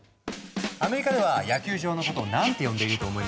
アメリカでは野球場のことを何て呼んでいると思います？